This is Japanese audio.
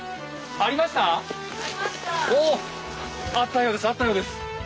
あったようですあったようです。